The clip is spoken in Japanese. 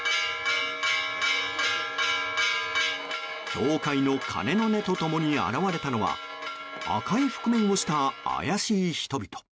教会の鐘の音と共に現れたのは赤い覆面をした、怪しい人々。